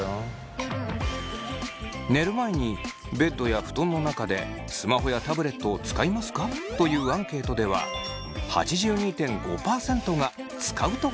「寝る前にベッドや布団の中でスマホやタブレットを使いますか？」というアンケートでは８２．５％が使うと答えています。